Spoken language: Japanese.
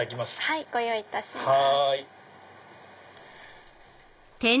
はいご用意いたします。